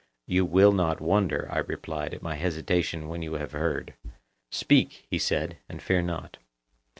You will not wonder, I replied, at my hesitation when you have heard. Speak, he said, and fear not.